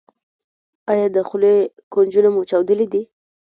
ایا د خولې کنجونه مو چاودلي دي؟